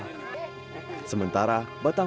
sementara batang pohon yang diberikan di bawahnya terpental